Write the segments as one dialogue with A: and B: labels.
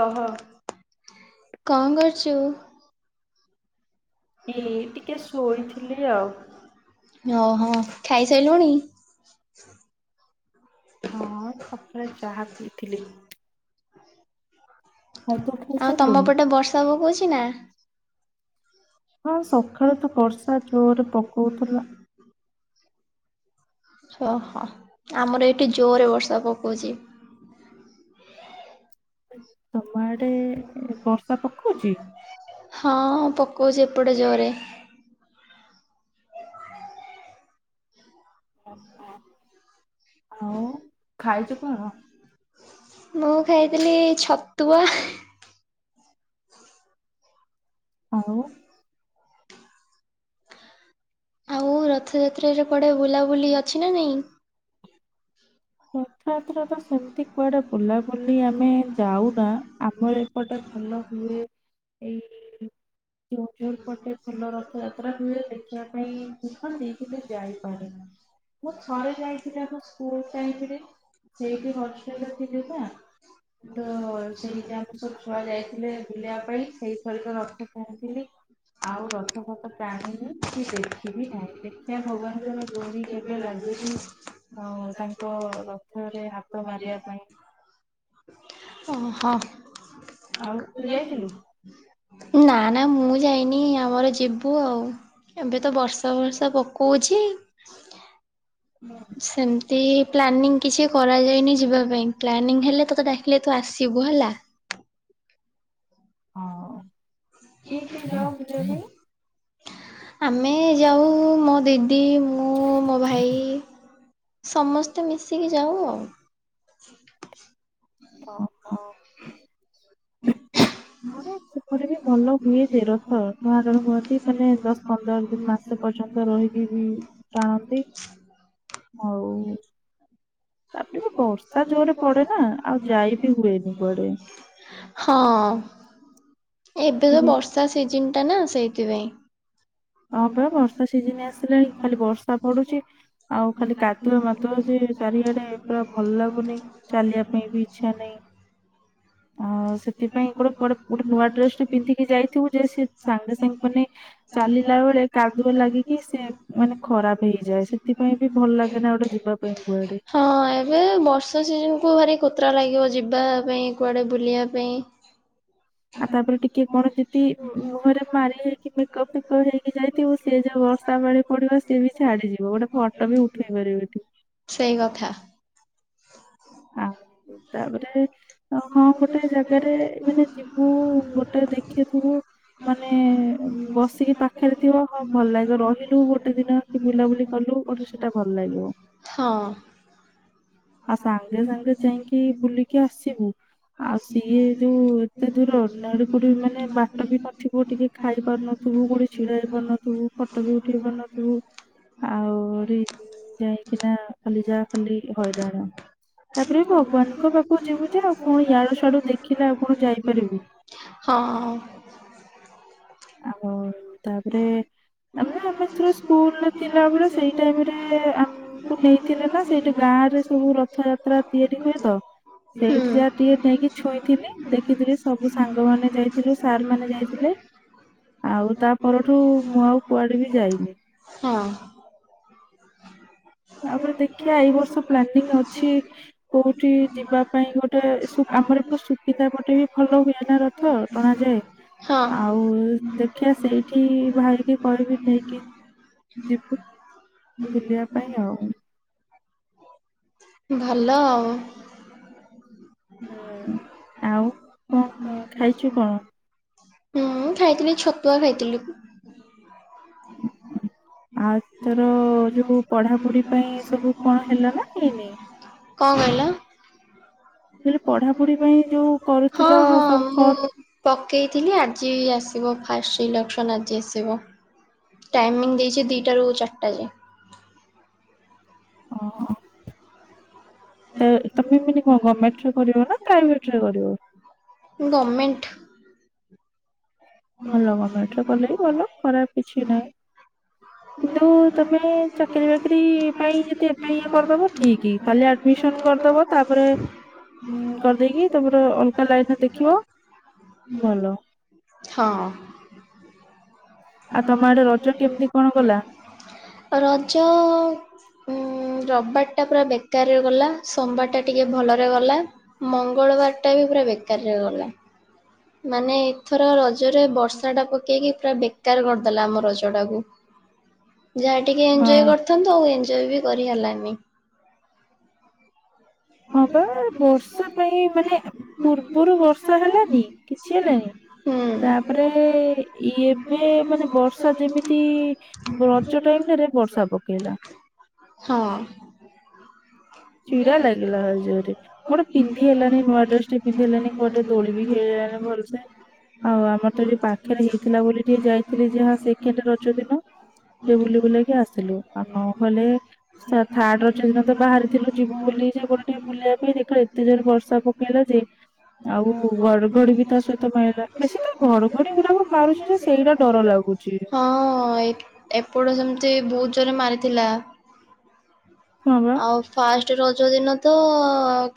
A: କଣ କରୁଛୁ? ଓହୋ ଖାଇସାରିଲୁଣି?
B: ହଁ ସକାଳେ ଚାହା ପିଇଥିଲି।
A: ଆଉ ତମ ପଟେ ବର୍ଷା ପକଉଛି ନା?
B: ହଁ ସକାଳେୁ ତ ବର୍ଷା ଜୋର ରେ ପକଉଥିଲା।
A: ଓହୋ ଆମର ଏଠି ଜୋରେ ବର୍ଷା ପକଉଛି।
B: ତମ ଆଡେ ବର୍ଷା ପକଉଛି?
A: ହଁ ପକଉଛି ଏପଟେ ଜୋରରେ। ଖାଇଛ କଣ? ମୁଁ ଖାଇଥିଲି ଛତୁଆ।
B: ଆଉ।
A: ଆଉ ରଥଯାତ୍ରାରେ କୁଆଡ଼େ ବୁଲାବୁଲି ଅଛି ନା ନାହିଁ?
B: ରଥଯାତ୍ରା ତ ସେମିତି କୁଆଡେ ବୁଲାବୁଲି ଆମେ ଯାଉନା ଆମର ଏ ଏପଟେ ଭଲ ହୁଏ ଏଇ କେଁଉଝର ପଟେ ଭଲ ରଥଯାତ୍ରା ହୁଏ ଦେଖିବା ପାଇଁ କୁହନ୍ତି କିନ୍ତୁ ଯାଇପାରେନା। ମୁଁ ଥରେ ଯାଇଥିଲି ଆମ ସ୍କୁଲ ଟାଇମ ରେ। ସେଇଠି ହଷ୍ଟେଲ ରେ ଥିଲି ପା ତ ସେଇଠି ଆମ ସ ଛୁଆ ଯାଇଥିଲେ ବୁଲିବା ପାଇଁ ସେଇଥରିକ ରଥ ଟାଣିଥିଲେ। ଆଉ ରଥପଥ ଟାଣିନି କି ଦେଖିବି ନାହିଁ ଦେଖିଆ ଭଗବାନଙ୍କର ଡୋରି କେବେ ଲାଗୁଛି ଆଉ ତାଙ୍କ ରଥରେ ହାତ ମାରିବା ପାଇଁ।
A: ଓହୋ ନା। ନା ମୁଁ ଯାଇନି ଆମର ଯିବୁ ଆଉ ଏବେ ତ ବର୍ଷା ଫର୍ଷା ପକଉଛି। [unintelligible] ସେମିତି ପ୍ଲାନିଂ କିଛି କରାଯାଇନି ଯିବା ପାଇଁ ପ୍ଲାନିଂ ହେଲେ ତୋତେ ଡାକିଲେ ତୁ ଆସିବୁ ହେଲା।
B: ହଉ କିଏ କିଏ ଯାଅ ବୁଲିବା ପାଇଁ?
A: ଆମେ ଯାଉ ମୋ ଦି ଦି ମୁଁ ମୋ ଭାଇ ସମସ୍ତେ ମିଶିକି ଯାଉ ଆଉ।
B: ଓ ହ। ନ ସେପଟେ ବି ଭଲ ହୁଏ ଯେ ରଥ, ଠୁହାଡର ହୁଅନ୍ତି ମାନେ ଦଶ ପନ୍ଦର ଦିନ ମାସ ପର୍ଯ୍ୟନ୍ତ ରହିକି ବି ଟାଣନ୍ତି ହଉ ତାପରେ ବି ବରସ ର୍ଷା ଜୋରେ ପଡେ ନା ଆଉ ଯାଇ ବିି ହୁଏନି କୁଆଡେ।
A: ହଁ ଏବେ ତ ବର୍ଷା ସିଜିନ ଟା ନା ସେଇଥିପାଇଁ।
B: ହଁ ବା ବର୍ଷା ସିଜିନ ଆସିଲାଣି ଖାଲି ବର୍ଷା ପଡୁଛି। ଆଉ ଖାଲି କାଦୁଆ ମାଦୁଅ ଯେ ଚାରିଆଡେ ପୁରା ଭଲ ଲାଗୁନି ଚାଲିବା ପାଇଁ ବି ଇଚ୍ଛା ନାହିଁ।
A: [inaudible] କାଦୁଅ ଲାଗିକି ସେଇଥିପାଇଁ ଖରାପ ହେଇଯାଏ, ସେଥିପାଇଁ ବି ଭଲ [inaudible] ହଁ ଏବେ ବର୍ଷା ସିଜିନକୁ ଭାରି କୋତର ଲାଗିବ ଯିବା ପାଇଁ, କୁଆଡେ ବୁଲିବା ପାଇଁ।
B: ଆଉ ତାପରେ ଟିକେ କଣ ଯଦି ମୁହଁ ରେ ମାରିଲେ ହେଇକି ମେକପ୍ ଫେକପ୍ ହେଇକି ଯାଇଥିବୁ, ସେ ଯୋଉ ବର୍ଷା ପାଣି ପଡିବ ସିଏ ବି ଛାଡିଯିବ। ଗୋଟେ ଫଟୋ ବି ଉଠେଇ ପାରିବୁନି।
A: ସେଇ କଥା।
B: [unintelligible] ତାପରେ ହଁ ଗୋଟେ ଜାଗାରେ ମାନେ ଯିବୁ ଗୋଟେ ଦେଖିଥିବୁ ମାନେ ବସିକି ପାଖରେ ଥିବ ହଁ ଭଲ ଲାଗିବ। ରହିଲୁ ଗୋଟେ ଦିନ ବୁଲାବୁଲି କଲୁ। [unintelligible] ସେଟା ଭଲ ଲାଗିବ। ଆଉ ସା ସାଙ୍ଗେ ସାଙ୍ଗେ ଯାଇଁକି ବୁଲିକି ଆସିବୁ ଆଉ ସିଏ ଯୋଉ ଏତେ ଦୂର ନହେଲେ କୋଉଠି ମାନେ ବାଟ ବି ନଥିବ ଟିକେ ଖାଇପାରୁ ନ ଥିବୁ କୋଉଠି ଛିଡା ହେଇ ପାରୁନଥିବୁ ଫଟୋ ବି ଉଠେଇ ପାରୁନଥିବୁ ଆଉ [unintelligible] ଯାଇକିନା ଖାଲି ଯା ଖାଲି ହଇରାଣ। ତାପରେ ବି ଭଗବାନଙ୍କ ପାଖକୁ ଯିବୁ ଯେ ଆଉ କଣ ୟାଡୁ ସିଆଡୁ ଦେଖିଲେ ଆଉ କଣ ଯାଇପାରିବୁ?
A: ହଁ।
B: ଆଉ କଣ ତାପରେ ଆମେ ଆମେ ଏଥର ସ୍କୁଲରେ ଥିଲାବେଳେ ସେଇ ଟାଇମ୍ ରେ ଆମକୁ ନେଇଥିଲେ ନା ସେଇଠି ଗାଁ ରେ ସବୁ ରଥଯାତ୍ରା ତିଆରି ହୁଏ ତ। ସେଇଠି ଯାହା ଟିକେ ନେଇକି ଛୁଇଁଥିଲି। ଦେଖିଥିଲି ସବୁ ସାଙ୍ଗମାନେ ଯାଇଥିଲୁ ସାର୍ ମାନେ ଯାଇଥିଲେ। ଆଉ ତା ପରଠୁ ମୁଁ ଆଉ କୁଆଡେ ବି ଯାଇନି।
A: ହଁ। [inaudible]
B: ତାପରେ ଦେଖିଆ ଏଇ ବର୍ଷ ପ୍ଲାନିଂ ଅଛି କୋଉଠି ଯିବା ପାଇଁ ଗୋ ଟେ ଆମର ଏପଟେ ସୁକିନ୍ଦା ପଟେ ବି ଭଲ ହୁଏ ନା ରଥ, ଟଣା ଯାଏ।
A: ହଁ।
B: ଆଉ ଦେଖିଆ ସେଇଠି ଭାଇକି କହିବି ନେଇକି ଯିବୁ।
A: [inaudible] ଭଲ ଆଉ।
B: ହୁଁ। ଆଉ କଣ କଣ ଖାଇଚୁ କଣ?
A: ମୁଁ ଖାଇଥିଲି ଛତୁଆ ଖାଇଥିଲି।
B: ଆଉ ତୋର ଯୋଉ ପଢାପଢି ପାଇଁ ସବୁ କଣ ହେଲା ନା ହେଇନି?
A: ହଁ ହଁ ମୁଁ ପକେଇଥିଲି ଆଜି ଆସିବ ଫାଷ୍ଟ ସିଲେକ୍ସନ୍ ଆଜି ଆସିବ। ଟାଇମିଙ୍ଗ ଦେଇଚି ଦିଟାରୁ ଚାରିଟା ଯାଏଁ।
B: ଅ ହଁ। ତ ତମେ ମିନି କଣ ଗମେଣ୍ଟ ରେ କରିବ ନା ପ୍ରାଇଭେଟ ରେ କରିବ?
A: ଗର୍ମେଣ୍ଟ।
B: ଭଲ ଗମେଣ୍ଟରେ କଲେ ବି ଭଲ ଖରାପ କିଛି ନାହିଁ। କିନ୍ତୁ ତମେ ଚାକିରି ବାକିରି ପାଇଁ ଯଦି ଏବେ ଇଏ କରିଦେବ ଠିକି। ଖାଲି ଆଡମିସନ୍ କରିଦବ ତାପରେ କରିଦେଇକି ତାପରେ ଅଲଗା ଲାଇନ୍ ର ଦେଖିବ ଭଲ।
A: ହଁ।
B: ଆଉ ତମ ଆଡେ ରଜ କେମିତି କଣ ଗଲା?
A: ରଜ ରବିବାର ଟା ପୁରା ବେକାରରେ ଗଲା। ସୋମବାରଟା ଟିକେ ଭଲରେ ଗଲା। ମଙ୍ଗଳବାର ଟା ବି ପୁରା ବେକାରରେ ଗଲା। ମାନେ ଏଥର ରଜରେ ବର୍ଷାଟା ପକେଇକି ପୁରା ବେକାର କରିଦେଲା ଆମ ରଜଟାକୁ। ଯାହା ଟିକେ ଏଞ୍ଜଏ କରିଥାନ୍ତୁ ଆଉ ଏଞ୍ଜଏ ବି କରିହେଲାନି।
B: ହଁ ପା ବର୍ଷା ପାଇଁ ମାନେ, ପୂର୍ବରୁ ବର୍ଷା ହେଲାନି କିଛି ହେଲାନି। ତାପରେ ଏବେ ମାନେ ବର୍ଷା ଯେମିତି ରଜ ଟାଇମ ଟାରେ ବର୍ଷା ପକେଇଲା।
A: ହଁ।
B: ରଜରେ ଗୋଟେ ପିନ୍ଧି ହେଲାନି ନୂଆ ଡ୍ରେସଟେ। ପିନ୍ଧିହେଲାନି କୁଆଟେ ଦୋଳିବି ଖେଳିହେଲାନି ଭଲସେ। ଆଉ ଆମରତ ଟିକେ ପାଖରେ ହେଇଥିଲା ବୋଲି ଟିକେ ଯାଇଥିଲି ଯାହା ସେକେଣ୍ଡ ରଜଦିନ। ଟିକେ ବୁଲି ବୁଲାକି ଆସିଲୁ ଆଉ ନହଲେ ଥାର୍ଡ ରଜଦିନ ତ ବାହାରି ଥିଲୁ ଯିବୁ ବୋଲି ଯଉଗୋଟେ ଟିକେ ବୁଲିବା ପାଇଁ ଦେଖିଲା ଏତେ ଜୋରେ ବର୍ଷା ପକେଇଲାଯେ ଆଉ ଘଡଘଡିବି ତାସହିତ ମାଇଲା ବେଶୀତ ଘଡଘଡି ଗୁଡାକ ମାରୁଛିଯେ ସେଇଟା ଡର ଲାଗୁଛି। [inaudible]
A: ହଁ ଏ ଏପଟ ସେମିତି ବହୁତ ଜୋରେ ମାରିଥିଲା ଆଉ ଫାଷ୍ଟ ର ରଜ ଦିନତ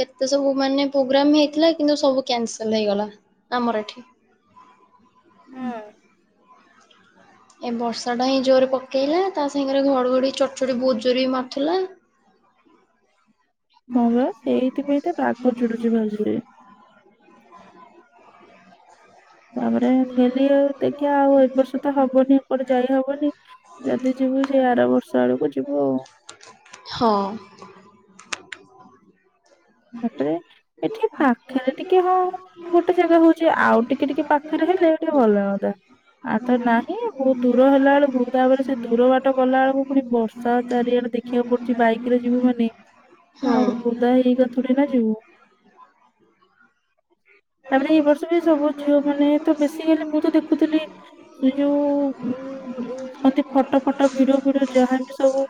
A: କେତେ ସବୁ ମାନେ ପୋଗ୍ରାମ ହେଇଥିଲା କିନ୍ତୁ ସବୁ କ୍ୟାନସଲ ହେଇଗଲା ଆମର ଏଠି।
B: ହୁଁ।
A: ଏ ବର୍ଷାଟାହିଁ ଜୋରରେ ପକେଇଲା ତାସାଙ୍ଗରେ ଘଡଘଡି ଚଡଚଡି ଯୋରେବି ମାରୁଥିଲା।
B: ହଁ ବା ଏଇଥିପାଇଁତ ରାଗ ଚିଡୁଛି ଭାରିଯୋରେ। ତାପରେ ମୁଁ କହିଲି ଆଉ ଦେଖିବା ଆଉ ଏବର୍ଷତ ହବନି ଏପଟେ ଯାଇ ହବନି। ଯଦି ଯିବୁ ସେଇ ଆର ବର୍ଷ ଆଡକୁ ଯିବୁ ଆଉ।
A: ହଁ।
B: ତାପରେ ଏଠି ପାଖରେ ଟିକେ ହଁ ଗୋଟେ ଜାଗା ହଉଛି ଆଉ ଟିକେ ଟିକେ ପାଖ ପାଖରେ ହେଲେ ଟିକେ ଭଲଲାଗନ୍ତା। ଆଉତ ନାହିଁ ବହୁତ ଦୁର ହେଲା ବେଳକୁ ତାପରେ ସେ ଦୁର ବାଟ ଗଲା ବେଳକୁ ପୁଣି ବର୍ଷା ଚାରିଆଡେ ଦେଖିବାକୁ ପଡୁଛି ବାଇକରେ ଯିବୁମାନେ
A: ହଁ।
B: ହୁଁ। ତାପରେ ଏଇ ବର୍ଷବି ସବୁ ଝିଅ ମାନେତ ବେଶୀକାଲି ମୁଁ ତ ଦେଖୁଥିଲି ଏଯୋଉ କଣତି ଫଟୋ ଫଟୋ ଭିଡିଓ ଭିଡିଓ ଯାହାବି ସବୁ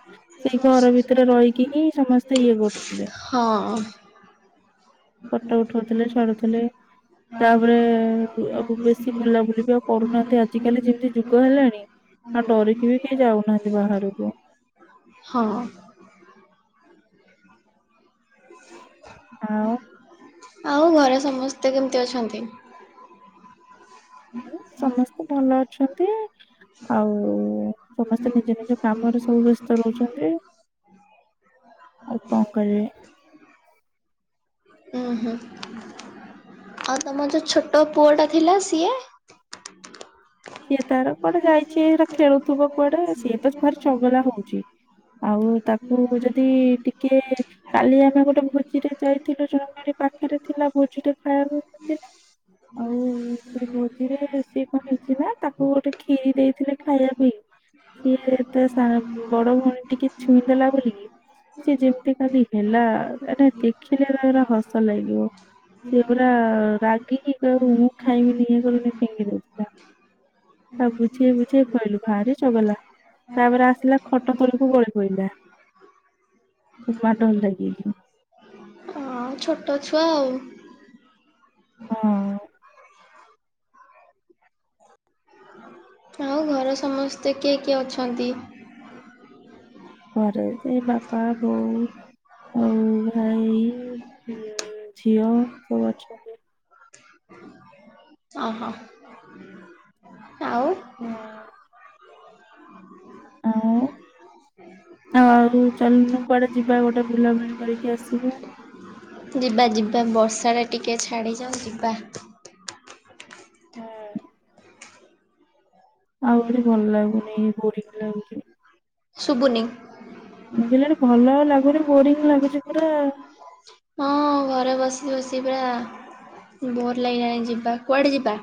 B: ସେଇ ଘର ଭିତରେ ରହିକିହିଁ ସମସ୍ତେ ଇଏ କରୁଥିଲେ। ଫଟୋ ଉଠଉଥିଲେ ଛାଡୁଥିଲେ। ତାପରେ ଆଉ ବେଶୀ ବୁଲାବୁଲିବି ଆଉ କରୁନାହାନ୍ତି ଆଜି କାଲି ଯେମିତି ଯୁଗ ହେଲାଣି। ଆଉ ଡରିକିବି କେହି ଯାଉନାହାନ୍ତି ବାହାରକୁ।
A: ହଁ।
B: ଆଉ।
A: ଆଉ ଘରେ ସମସ୍ତ କେମିତି ଅଛନ୍ତି?
B: ସମସ୍ତେ ଭଲ ଅଛନ୍ତି। ଆଉ ସମସ୍ତେ ନିଜ ନିଜ କାମରେ ସବୁ ବ୍ୟସ୍ତ ରହୁଛନ୍ତି। ଆଉ କଣ କରିବେ।
A: ଓହୋ। ଆଉ ତମର ଯୋଉଁ ଛୋଟ ପୁଅଟା ଥିଲା ସିଏ।
B: ସିଏ ତାର କୁଆଡେ ଯାଇଛି ସେଇଟା ଖେଳୁଥିବ କୁଆଡେ ସିଏ ତ ଭାରି ଚଗଲା ହଉଛି ଆଉ ତାକୁ ଯଦି ଟିକେ କାଲି ଆମେ ଗୋଟେ ଭୋଜିରେ ଯାଇଥିଲୁ ଜଣଙ୍କର ଏଇ ପାଖରେ ଥିଲା ଭୋଜିଟେ ଖାଇବାକୁ ଯାଇଥିଲୁ।
A: [inaudible]
B: ଜାଇକିନା ତାକୁ ଗୋଟେ ଖିରି ଦେଇଥିଲେ ଖାଇବା ପାଇଁ। ସିଏ ତ ତା ବଡ ଭଉଣୀ ଟିକେ ଛୁଇଁଦେଲା ବୋଲିକି ସିଏ ଯେମିତି କାଲି ହେଲା ଦେଖିଲେ ତାକୁ ହସ ଲାଗିବ। ସିଏ ପୁରା ରାଗିକି କଉ ମୁଁ ଖାଇମିନି ଇଏ କରିବିନି ଫିଙ୍ଗି ଦଉଥିଲା। ତାକୁ ବୁଝେଇ ବୁଝେଇ ଖୋଇଲୁ ଭାରି ଚଗଲା। ତାପରେ ଆସିଲା ଖଟ ତଳକୁ ଗଳି ପଇଲା ମାଡ ଗୋଲ ଲାଗିକିନି।
A: ହଁ ଛୋଟ ଛୁଆ ଆଉ।
B: ହଁ।
A: ଆଉ ଘରେ ସମସ୍ତେ କିଏ କିଏ ଅଛନ୍ତି?
B: ଘରେ ସେ ବାପା ବୋଉ ଆଉ ଭାଇ। ଝିଅ ସବୁ ଅଛନ୍ତି।
A: ଓହୋ। ଆଉ ହୁଁ
B: ଆଉ ଚାଲୁନୁ କୁଆଡେ ଯିବା ଗୋଟେ ବୁଲାବୁଲି କରିକି ଆସିବା?
A: ଯିବା ଯିବା ବର୍ଷାଟା ଟିକି ଛାଡ଼ିଯାଉ ଯିବା।
B: ହୁଁ ଆଉ ଏଠି ଭଲ ଲାଗୁନି ବୋରିଙ୍ଗି ଲାଗୁଛି।
A: ଶୁବୁନି।
B: ମୁଁ କହିଲି ଭଲ ଲାଗୁନି ବୋରିଙ୍ଗି ଲାଗୁଛି ପୁରା।
A: ହଁ ଘରେ ବସି ବସି ପୁରା ବୋର ଲାଗିଲାଣି। ଯିବା କୁଆଡେ ଯିବା?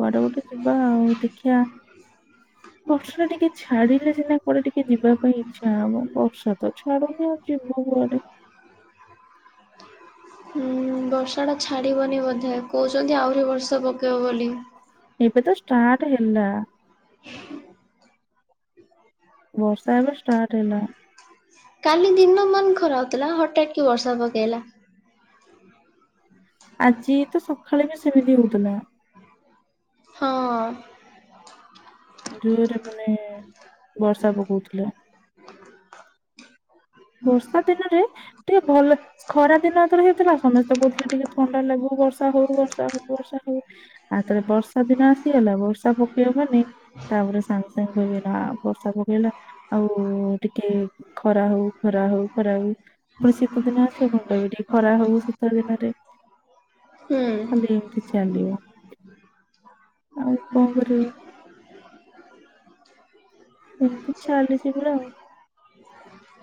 B: କୁଆଡେ ଗୋଟେ ଯିବା ଆଉ ଦେଖିଆ। ବର୍ଷା ଟିକେ ଛାଡିଲେ ସିନା କୁଆଡେ ଟିକେ ଯିବା ପାଇଁ ଇଚ୍ଛା ହବ। ବର୍ଷା ତ ଛାଡୁନି ଆଉ ଯିବ କୁଆଡେ?
A: ହୁଁ ବର୍ଷାଟା ଛାଡ଼ିବନି ବୋଧେ କହୁଛନ୍ତି ଆହୁରି ବର୍ଷା ପକେଇବ ବୋଲି।
B: ଏବେ ତ ଷ୍ଟାର୍ଟ ହେଲା।
A: ହ ହ କାଲି ଦିନ ମାନ ଖରା ହଉଥିଲା ହଠାତ୍ କି ବର୍ଷା ପକେଇଲା।
B: ଆଜି ତ, ସକାଳେ ବି ସେମିତି ହେଉଥିଲା।
A: ହଁ।
B: ଜୋରେ ମାନେ ବର୍ଷା ପକଉଥିଲା।
A: ହଁ
B: ବର୍ଷା ଦିନରେ ଟିକେ ଭଲ ଖରା ଦିନ ଏଥର ଜୋଉଥିଲା ସମସ୍ତେ କହୁଥିଲେ ଟିକେ ଥଣ୍ଡା ଲାଗୁ ବର୍ଷା ହଉ ବର୍ଷା ହଉ ବର୍ଷା ହଉ। ଆଉଥରେ ବର୍ଷା ଦିନ ଆସିଗଲା ବର୍ଷା ପକେଇବ ମାନେ ତାପରେ ସାଙ୍ଗେ ସାଙ୍ଗେ କହିବେ ନା ବର୍ଷା ପକେଇଲା ଆଉ ଟିକେ ଖରା ହଉ। ଖରା ହଉ ଖରା ହଉ। ଫୁଣି ଶୀତ ଦିନ ଆସିବ କହିବେ ଟିକେ ଖରା ହଉ ଶୀତ ଦିନରେ। ଖାଲି ଏମିତି ଚାଲିବ ଆଉ କଣ କରିବ?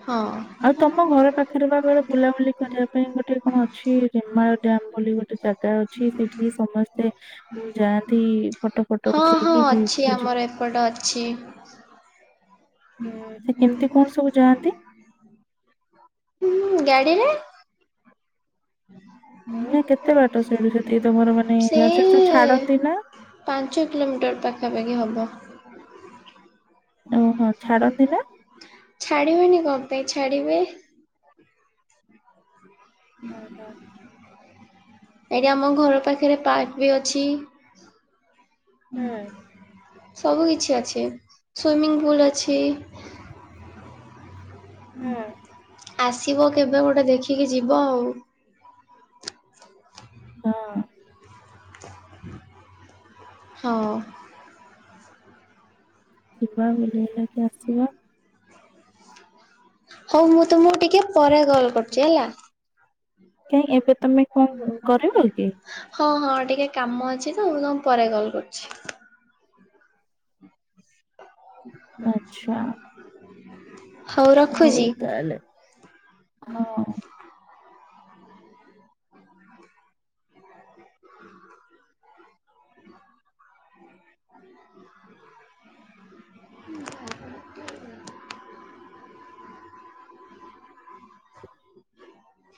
A: ହଁ।
B: ଆଉ ତମ ଘର ପାଖରେ ବା କୁଆଢେ ବୁଲାବୁଲି କରିବା ପାଇଁ ଗୋଟେ କଣ ଅଛି। ହିମାଳ ଡ୍ୟାମ ବୋଲି ଗୋଟେ ଜାଗା ଅଛି ସେଠିକି ସମସ୍ତେ ହୁଁ ଯାଆନ୍ତି ଫଟୋ ଫଟ ଉଠେଇକି ଭି ଖୋଯୁ
A: ଫୋଟ ଅଛି।
B: ହୁଁ ସେ, କେମିତି କଣ ସବୁ ଯାଆନ୍ତି?
A: ହୁଁ, ଗାଡ଼ିରେ।
B: ନାଁ, କେତେ ବାଟ ସେଠୁ? ସେଠକି ତମର ମାନେ, ଯ ସେଠି ସବୁ ଛାଡନ୍ତି ନା?
A: ପାଞ୍ଚ କିଲୋମିଟର, ପାଖା ପାଖି ହବ।
B: ଓହୋ, ଛାଡନ୍ତି ନା?
A: ଛାଡ଼ିବେନି କଣ ପାଇଁ? ଛାଡ଼ିବେ। ଏଇଠି, ଆମ ଘର ପାଖରେ ପାର୍କ ବି ଅଛି। ଉହୁଁ ସବୁ କିିଛି ଅଛି। ସୁଇମିଂ ଫୁଲ, ଅଛି। ଆସିବ, କେବେ ଗୋଟେ ଦେଖିକି ଯିବ ଆଉ।
B: ହଁ।
A: ହଁ।
B: ଯିବା, ବୁଲି ଵାଲିକି ଆସିବା।
A: ହଉ, ମୁଁ ତୁମକୁ ଟିକିଏ ପରେ କଲ୍
B: କାଇଁ ଏବେ ତମେ କଣ କରିବ କି।
A: ହଁ, ହଁ, ଟିକେ କାମ ଅଛି ତ। ମୁଁ ତମ କୁ ପରେ କଲ୍ କରୁଚି। [inaudible]
B: ହଉ, ତାଆଲେ ହଁ।
A: [inaudible] [inaudible]